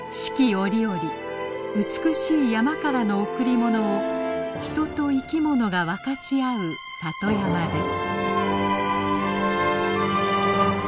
折々美しい山からの贈り物を人と生き物が分かち合う里山です。